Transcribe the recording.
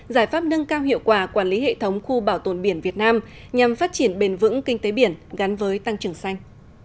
giải pháp nâng cao hiệu quả quản lý hệ thống khu bảo tồn biển việt nam nhằm phát triển bền vững kinh tế biển gắn với tăng trưởng xanh